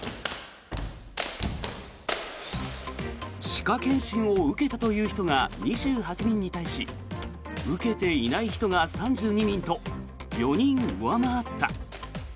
歯科検診を受けたという人が２８人に対し受けていない人が３２人と４人、上回った。